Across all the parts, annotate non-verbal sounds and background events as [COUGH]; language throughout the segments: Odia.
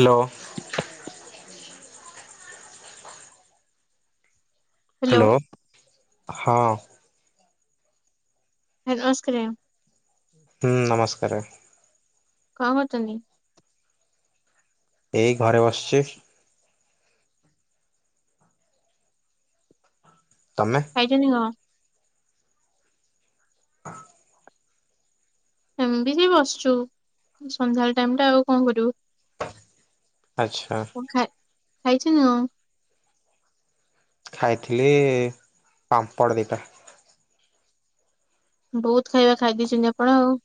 ହାଲୋ। ହ୍ୟାଲୋ ହାଲୋ ହଁ। ଲୋ ନମସ୍କାର ମାମ। ହୁଁ ନମସ୍କାର। କଣ କରୁଛନ୍ତି। ଏଇ ଘରେ ବସିଛି। ତମେ। ଖାଇଚନ୍ତି କଁ। ଏମିତି ହି ବସିଛୁ ସନ୍ଧ୍ୟାବେଳେ ଟାଇମ ଟା ଆଉ କଣ କରିବୁ। ଆଚ୍ଛା। କଣ ଖାଇ ଖାଇଛନି କଁ। ଖାଇଥିଲି ପାମ୍ପଡ଼ ଦିଟା। ବହୁତ ଖାଇବା ଖାଇ ଦେଇଛନ୍ତି ଆପଣ ଆଉ।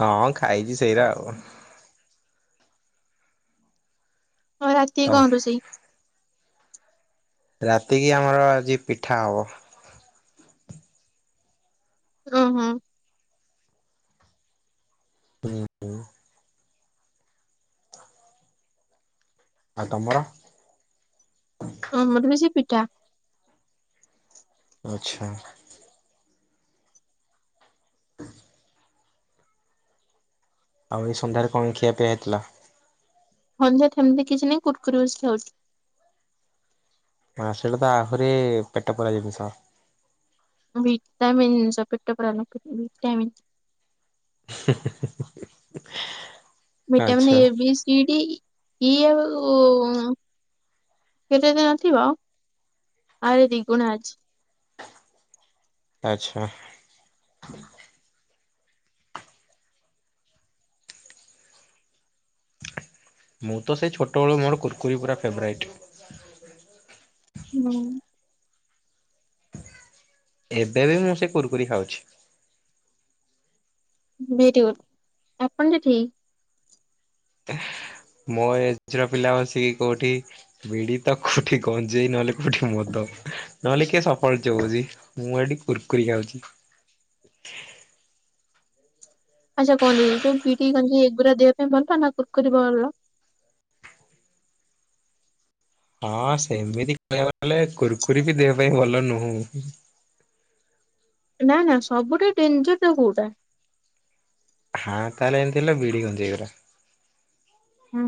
ହଁ ଖାଇଛି ସେଇରା ଆଉ। ଆଉ ରାତି କି ତ କଣ ରୋସେଇ। ରାତିକି ଆମର ଆଜି ପିଠା ହବ। ଉଁ ହୁଁ। ହୁଁ। ଆଉ ତମର। ଆମର ବି ସେଇ ପିଠା। ଆଛା। ଆଉ ଏଇ ସନ୍ଧ୍ୟାରେ କଣ ଖିଆ ପିଆ ହେଇଥିଲା? ସନ୍ଧ୍ୟାରେ ସେମିତି କିଛି ନାଇଁ କୁରୁକୁରି ବସିକି ଖାଉଛି। ହଁ ସେଇଟା ତ ଆହୁରି ପେଟ ପୁରା ଜିନିଷ। ଭିଟାମିନ ଜିନିଷ ପେଟ ପୁରା ନୁହେଁ ଭିଟାମିନ। ହେ ହେ ହେ ହେ। Vitamin A B C D E ଆଉ କେତେ ଯେ ନଥିବ ଆରେ ଦିଗୁଣା ଅଛି। ଆଚ୍ଛା। ମୁଁ ତ ସେଇ ଛୋଟବେଳୁ ମୋର କୁର୍କୁରି ପୁରା ଫେଭରାଇଟ୍। ହୁଁ। ଏବେ ବି ମୁଁ ସେ କୁୁରକୁରି ଖାଉଛି। ଭେରିଗୁଡ଼ ଆପଣ ଯେ ଠିକ୍। ମୋ ଏଜ ର ପିଲା ବସିକି କୋଉଠି ବିଡି ତ କୋଉଠି ଗଞ୍ଜେଇ ନହେଲେ କୋଉଠି ମଦ ନହେଲେ କିଏ ସଫଳ ଚୋବାଉଛି। ମୁଁ ଏଠି କୁୁରକୁରି ଖାଉଛି। ଆଚ୍ଛା କୁହନ୍ତୁ ଏ ଯୋଉ ବିଡିି ଗଞ୍ଜେଇ ଏଗୁରା ଦେହ ପାଇଁ ଭଲ ନା କୁର୍କୁରି ଭଲ। ହଁ ସେମିତି କହିବାକୁ ଗଲେ କୁୁରକୁରି ବି ଦେହ ପାଇଁ ଭଲ ନୁହଁ। ନା ନା ସବୁଠୁ ଡେଞ୍ଜର ଟା କୋଉଟା। ହଁ ତାଲେ ଏମତି ହେଲେ ବିଡ଼ି ଗଞ୍ଜେଇ ଗୁରା। ହୁଁ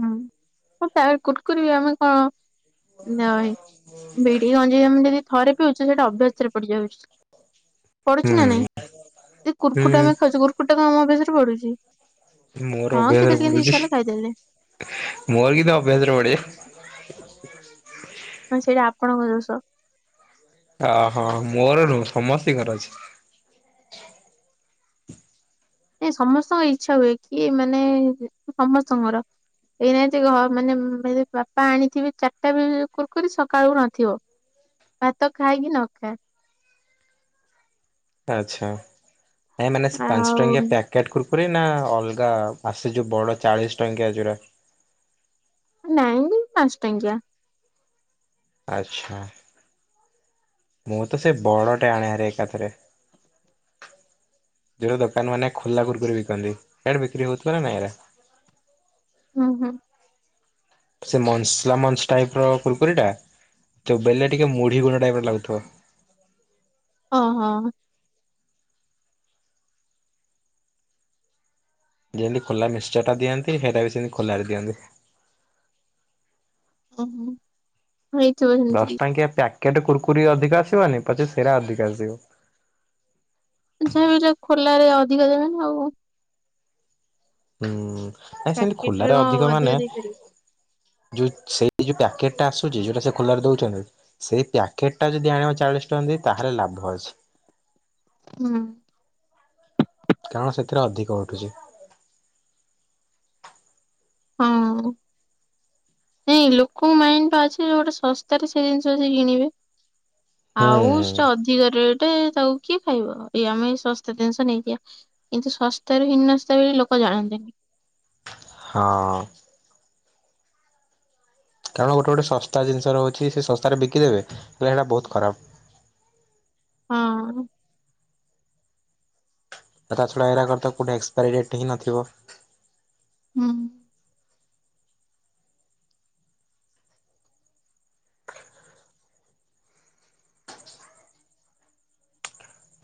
[UNINTELLIGIBLE] କୁରୁକୁରି ଆମେ କଣ ନାଇଁ ବିଡି ଗଞ୍ଜେଇ ଯେମିତି କି ଥରେ ପିଉଛନ୍ତି ସେଇଟା ଅଭ୍ୟାସ ରେ ପଡିଯାଉଛି। ପଢୁଚି ନା ନାଇଁ, ହୁଁ। ଏ କୁରକୁରି ଟା ହୁଁ ଆମେ ଖାଉଛୁ କୁରକୁରି ଟା କଣ ଆମ ଅଭ୍ୟାସରେ ପଡୁଛି। ମୋର ହଁ ଅଭ୍ୟାସରେ କେତେବେଳେ କେମିତି ପଡୁଚି, ଇଚ୍ଛା ହେଲା ଖାଇଦେଲେ ମୋର କିନ୍ତ ଅଭ୍ୟାସରେ ପଡ଼ିଯାଉ- [INAUDIBLE] ହଁ ସେଇଟା ଆପଣଙ୍କ ଦୋଷ। ଓହୋ ମୋର ନୁହଁ ସମସ୍ତିଙ୍କର ଅଛି ସମସ୍ତଙ୍କ ଇଛା ହୁଏ କି ମାନେ ସମସ୍ତଙ୍କର ଏଇନାଇ ଯେ ଘ ମାନେ ବାପା ଆଣିଥିବେ ଚାରିଟା ବି କୁରୁକୁରୀ ସକାଳକୁୁ ନଥିବ ଭାତ ଖାଏକି ନ ଖାଏ ଆଚ୍ଛା ଆ ମାନେ ସେ ପାଞ୍ଚ ଟଙ୍କିଆ ଆଉ ପ୍ୟାକ୍ କେଟ୍ କୁରକୁରେ ନା ଅଲଗା ଆସେ ଯୋଉ ବଡ ଚାଳିଶ ଟଙ୍କିଆ ଯଉଟା ନାଇଁ ପାଞ୍ଚ ଟଙ୍କିଆ ଆଚ୍ଛା ମୁଁ ତ ସେ ବଡ଼ଟେ ଆଣାହାରେ ଏକାଥରେ ଯୋଉ ଦୋକାନ ମାନେ ଖୋଲା କୁରୁକୁରୀ ବିକନ୍ତି। ସିଆଡେ ବିକ୍ରି ହଉଥିବ ନା ନାଇଁ ଏରା। ହୁଁ ହୁଁ। ସେ ମନସ୍ଲମନ୍ ଟାଇପସ ର କୁଲକୁରି ଟା ତୋ ବେଲେ ଟିକେ ମୁଢି ଗୁଣ୍ଡ ଟାଇପର ଲାଗୁଥିବ। ଓହୋ ହ ହ ହ ଯେମିତି ଖୋଲା ମିିକସଚରଟା ଦିଅନ୍ତି, ସେଇଟା ବି ସେମିତି ଖୋଲାରେ ଦିଅନ୍ତି। ଓ ହୋ। ହେଇଥିବ ଦଶ ଟଙ୍କିଆ ପ୍ୟାକେଟ କୁୁରକୁରି ଅଧିକ ଆସିବନି ପଛେ ସେରା ଅଧିକ ଆସିବ। ଯାହା ବି ଯା ଖୋଲାରେ ଅଧିକ ଦେବେନା ଆଉ। ହୁଁ ନାଇଁ ସେମତି ପ୍ୟାକେଟ ରେ ଖୋଲାରେ କଣ ଅଧିକ ମାନେ ଦେଇପାରିବେ। ଯୋଉ ସେଇ ଯୋଉ ପ୍ୟାକେଟଟା ଆସୁଛି ଯୋଉଟା ସେ ଖୋଲାରେ ଦଉଛନ୍ତି। ସେଇ ପ୍ୟାକେଟ ଟା ଯଦି ଆଣିବ ଚାଳିଶ ଟଙ୍କା ଦେଇ ତାହେଲେ ଲାଭ ଅଛି। ହୁଁ। କାରଣ ସେଥିରେ ଅଧିକ ଉଠୁଛି ହଁ ନାଇଁ ଲୋକଙ୍କ ମାଇଣ୍ଡ ଟା ଅଛି ଜଉଠି ଶସ୍ତାରେ ସେ ଜିନିଷ ଯାଇ କିଣିବେ ହୁଁ ଆଉ ସେଟା ଅଧିକ ରେଟ ତାକୁ କିଏ ଖାଇବ। ଇଏ ଆମେ ଏଇ ଶସ୍ତା ଜିନିଷ ନେଇଯିବା। କିନ୍ତୁ ଶସ୍ତା ରୁ ହିନସ୍ତା ବୋଲି ଲୋକ ଜାଣନ୍ତିନି। ହଁ। କାରଣ ଗୋଟେ ଗୋଟେ ଶସ୍ତା ଜିନିଷ ରହୁଚିପ୍ସ ସେ ଶସ୍ତାରେ ବିକିଦବେ। ହେଲେ ହେଇଟା ବହୁତ ଖରାପ। ହଁ। ତା ଛଡ଼ା ଏରାକର ତ କୋଉଠି ଏକ୍ସପାରି ଡେଟ ହିଁ ନଥିବ। ହୁଁ।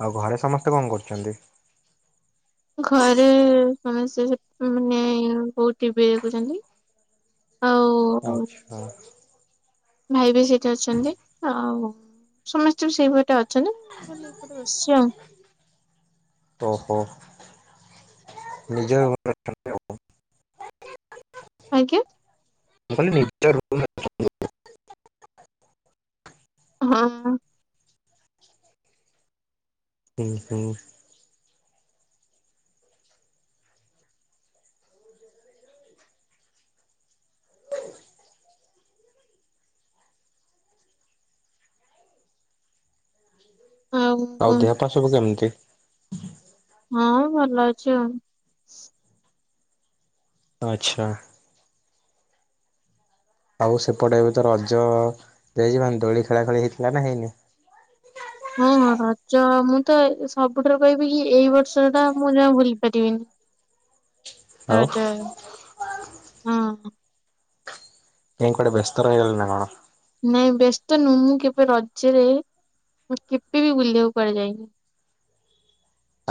ଆଉ ଘରେ ସମସ୍ତେ କଣ କରୁଛନ୍ତି? ଘରେ ସମସ୍ତେ ମାନେ ବୋଉ ଟିଭି ଦେଖୁଛନ୍ତି। ଆଉ ଆଚ୍ଛା ଆଚ୍ଛା। ଭାଇ ବି ସେଇଠି ଅଛନ୍ତି ଆଉ ସମସ୍ତେ ବି ସେଇପଟେ ଅଛନ୍ତି। ମୁଁ ଖାଲି ଏପଟେ ବସିଚି ଆଉ। ଓ ହୋ। ନିଜ। [UNINTELLIGIBLE] ଆଜ୍ଞା? [UNINTELLIGIBLE] ହଁ। ଉଁ ହୁଁ। ଆଉ ଦେହ ପା ସବୁ କେମିତି? ହଁ ଭଲ ଅଛି ଆଉ। ଆଚ୍ଛା। ଆଉ ସେପଟେ ଏ ବି ତ ରଜ [UNINTELLIGIBLE] ଦୋଳି ଖେଳା ଖେଳି ହେଇଥିଲା ନା ହେଇନି? ହଁ ହଁ ରଜ ମୁଁ ତ ସବୁଠାରୁ କହିବି କି ଏଇ ବର୍ଷ ଟା ମୁଁ ଜମା ଭୁଲି ପାରିବିନି। ଆଉ [UNINTELLIGIBLE] ହଁ। ନାଇଁ କୁଆଡ଼େ ବେସ୍ତ ରହିଗଲ ନା କଣ? ନାଇଁ ବ୍ୟସ୍ତ ତ ନୁହଁ। ମୁଁ କେବେ ରଜରେ ମୁଁ କେବେ ବି ବୁଲିବାକୁ କୁଆଡେ ଯାଇନି।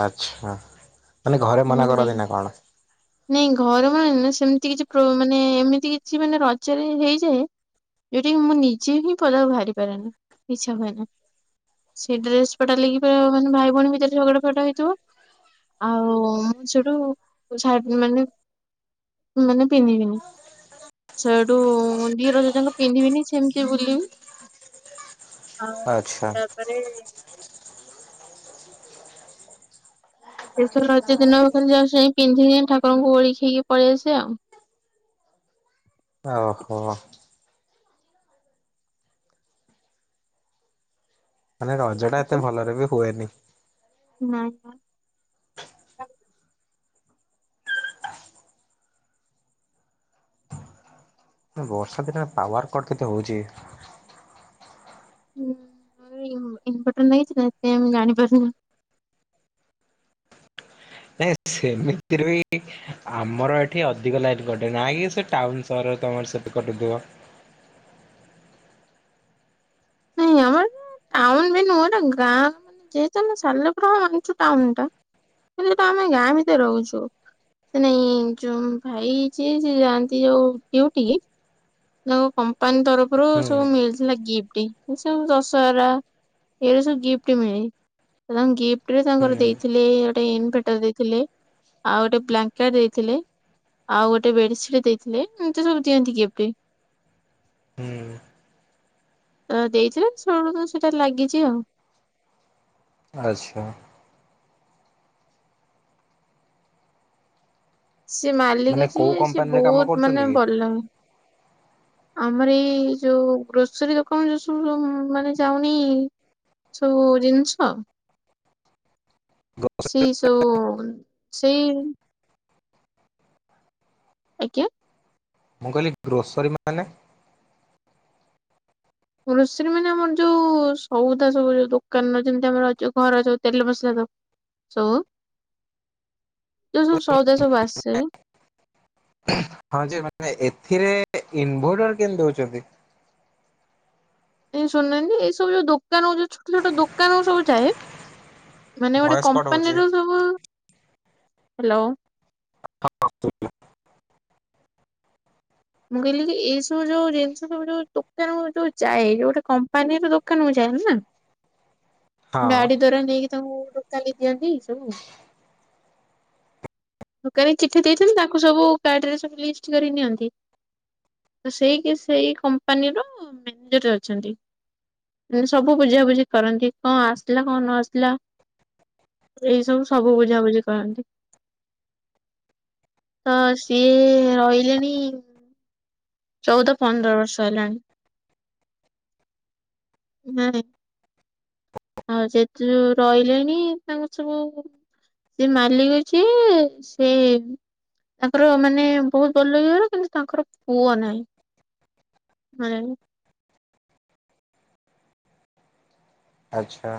ଆଚ୍ଛା। ମାନେ ଘରେ ମନା ହେଲାକି କରନ୍ତି ନା କଣ? ନାଇଁ ଘର ମାନେ ନା ସେମିତି କିଛି ମାନେ ଏମିତି କିଛି ମାନେ ରଜରେ ହେଇଯାଏ ଯୋଉଟା କି ମୁଁ ନିଜେ ହିଁ ପଦାକୁ ବାହାରି ପାରେନି। ଇଚ୍ଛା ହୁଏନି। ସେ ଡ୍ରେସ ପଟା ଲାଗି ମାନେ ଭାଇ ଭଉଣୀ ଭିତରେ ଝଗଡା ଫଟା ହେଇଥିବ। ଆଉ ମୁଁ ସେଠୁ ମାନେ ମାନେ ପିନ୍ଧିବିନି। ସେଇଠୁ ଦି ରଜ ଜାକ ପିନ୍ଧିବିନି ସେମିତି ବୁଲିବି। ଆଉ ଆଚ୍ଛା ତାପରେ ପ୍ରଥମ ରଜ ଦିନ ଖାଲି ଯାହା ସେମିତି ପିନ୍ଧିକି ଠାକୁରଙ୍କୁ ଓଳିକି ହେଇକି ପଳେଇଆସେ ଆଉ। ଓହୋ। ମାନେ ରଜ ଟା ଏତେ ଭଲରେ ବି ହୁଏନି। ନାଇଁ ପା। ବର୍ଷା ଦିନେ ପାୱାର କଟ୍ କେତେ ହଉଚି। ହୁଁ। ଆମର ଇନ୍ଭର୍ଟର ଲାଗିଚି ନା ହେଥିପାଇଁ ମୁଁ ଜାଣିପାରୁନି। ନାଇଁ ସେମିତି ରେ ବି ଆମର ଏଠି ଅଧିକ ଲାଇନ୍ କଟେ। ନା କି ସେ ଟାଉନ ସହର ତମର ସେଠି କଟୁଥିବ। [UNINTELLIGIBLE] ଟାଉନ ବି ନୁହଁ, ଏଟା ଗାଁ। ମାନେ ଯେହେତୁ ଆମେ ସାଲେପୁର [UNINTELLIGIBLE] ଟାଉନ ଟା। ମାନେ ହେଟା ଆମେ ଗାଁ ଭିତରେ ରହୁଚୁ। ସେ ନାଇଁ ଯୋଉ ଭାଇ ଯିଏ ସେ ଯାଆନ୍ତି ଯୋଉ ଡ୍ୟୁଟି ତାଙ୍କୁ କମ୍ପାନୀ ତରଫରୁ ହୁଁ ସବୁ ମିଳି ମାନେ ଗିଫ୍ଟ। ସବୁ ଦଶହରା ଏଇରା ସବୁ ଗିଫ୍ଟ ମିଳେ। ମାନେ ତାଙ୍କୁ ଗିଫ୍ଟ ରେ ହୁଁ ତାଙ୍କର ଦେଇଥିଲେ ଗୋଟେ ଇନ୍ଭର୍ଟର୍ ଦେଇଥିଲେ। ଆଉ ଗୋଟେ ବ୍ଲାଙ୍କେଟ ଦେଇଥିଲେ। ଆଉ ଗୋଟେ ବେଡସିଟ୍ ଦେଇଥିଲେ ଏମତି ସବୁ ଦିଅନ୍ତି ଗିଫ୍ଟ। ହୁଁ ତ ଦେଇଥିଲେ ସେଉଠୁ ତ ସେଟା ଲାଗିଚି ଆଉ। ଆଚ୍ଛା। ସେ ମାଲିକ ମାନେ କୋଉ ଯିଏ ସିଏ କମ୍ପାନୀରେ କାମ ବହୁତ କରୁଛନ୍ତି ମାନେ କି? ଭଲ। ଆମର ଏଇ ଯୋଉ ଗ୍ରୋସରୀ ଦୋକାନ ଯୋଉ ସବୁ ମାନେ ଯାଉନି ସବୁ ଜିନିଷ ସେଇ ସବୁ ସେଇ ଆଜ୍ଞା। ମୁଁ କହିଲି ଗ୍ରୋସରୀ ମାନେ? ଗ୍ରୋସରୀ ମାନେ ଆମର ଯୋଉ ସଉଦା ସବୁ ଯୋଉ ଦୋକାନ ଯେମିତି ଆମର ଯୋଉ ଘର ଯୋଉ ତେଲ ମସଲା ଦ ସ ଯୋଉ ସବୁ ସଉଦା ସବୁ ଆସେ। ହଁ ଯେ ମାନେ ଏଥିରେ ଇନଭଟର କେମିତି ଦଉଚନ୍ତି? ଏ ଶୁଣନାହାନ୍ତି ଏଇ ସବୁ ଯୋଉ ଦୋକାନ ହଉଚୁ ଛୋଟ ଛୋଟ ଦୋକାନ ଆମେ ସବୁ ଯାଏ। ମାନେ ଗୋଟେ ଭଏସ କଟ ହଉଛି। କମ୍ପାନୀର ସବୁ ହାଲୋ [INAUDIBLE] ମୁଁ କହିଲି କି ଯେ ଏଇ ସବୁ ଯୋଉ ଜିନିଷ ସବୁ ଯୋଉ ଦୋକାନରୁ ଯୋଉ ଯାଏ। ଯୋଉଟା କମ୍ପାନୀର ଦୋ ଦୋକାନ କୁ ଯା ନା ହଁ ଗାଡି ଦ୍ଵାରା ନେଇକି ତାଙ୍କୁ ଦୋକାଲି ଦିଅନ୍ତି ସବୁ। ଦୋକାନୀ ଚିଠି ଦେଇଛନ୍ତି ତାଙ୍କୁ ସବୁ କାର୍ଡ ରେ ସବୁ ଲିଷ୍ଟ କରି ନିଅନ୍ତି। ତ ସେଇ କିି ସେଇ କମ୍ପାନୀର ମ୍ୟାନେଜର୍ ରେ ଅଛନ୍ତି। ରେ ସବୁ ବୁଝାାବୁଝି କରନ୍ତି କଣ ଆସିଲା କଣ ନ ଆସିଲା। ଏଇ ସବୁ ସବୁ ବୁଝାବୁଝି କରନ୍ତି। ତ ସିଏ ରହିଲେଣି ଚଉଦ ପନ୍ଦର ବର୍ଷ ହେଲାଣି। ନାଇ ଆଉ ଯେତେ ଯୋଉ ରହିଲେଣି ତାଙ୍କର ସବୁ ସେ ମାଲିକ ଯିଏ ସେ ତାଙ୍କର ମାନେ ବହୁତ ବଡ଼ ଲୋକି ଘର କିନ୍ତୁ ତାଙ୍କର ପୁଅ ନାହିଁ। [UNINTELLIGIBLE] ଆଚ୍ଛା।